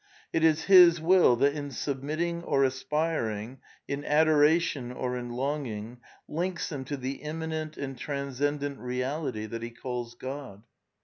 It is his will that in submitting or aspiring, in adora tion or in longing, links him to the immanent and tran scendent Keality that he calls God.